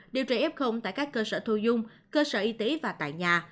điều trị f tại các cơ sở thu dung cơ sở y tế và tại nhà